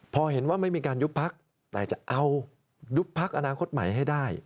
พอเห็นว่าไม่มีการยุบพักแต่จะเอายุบพักอนาคตใหม่ให้ได้